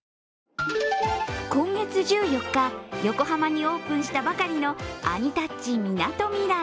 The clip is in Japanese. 今月１４日、横浜にオープンしたばかりのアニタッチみなとみらい。